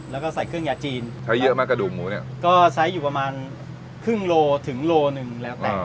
แล้วก็ใส่เครื่องยาจีนใช้เยอะไหมกระดูกหมูเนี่ยก็ใช้อยู่ประมาณครึ่งโลถึงโลหนึ่งแล้วแต่